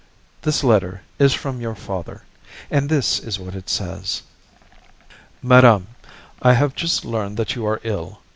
This letter is from your father, and this is what it says: "MADAME: I have just learned that you are ill.